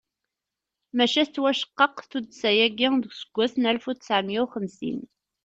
Maca tettwaceqqeq tuddsa-agi deg useggas n alef u ttɛemya u xemsin.